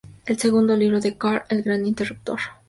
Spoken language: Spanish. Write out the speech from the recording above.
El segundo libro de Carr, El gran interruptor.